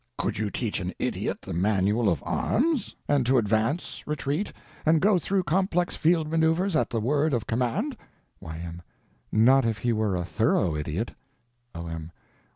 Could you teach an idiot the manual of arms, and to advance, retreat, and go through complex field maneuvers at the word of command? Y.M. Not if he were a thorough idiot. O.M.